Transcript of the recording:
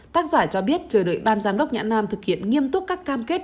tác giả cho biết chờ đợi ban giám đốc nhã nam thực hiện nghiêm túc các cam kết